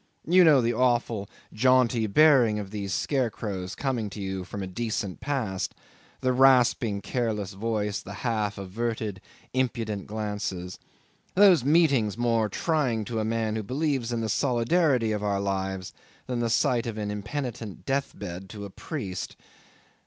You know the awful jaunty bearing of these scarecrows coming to you from a decent past, the rasping careless voice, the half averted impudent glances those meetings more trying to a man who believes in the solidarity of our lives than the sight of an impenitent death bed to a priest.